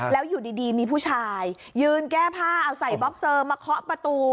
แล้วอยู่ดีมีผู้ชายยืนแก้ผ้าเอาใส่บ็อกเซอร์มาเคาะประตู